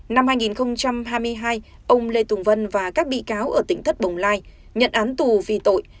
năm hai nghìn hai mươi hai ông lê tùng vân và các bị cáo ở tỉnh thất bồng lai nhận án tù vì tội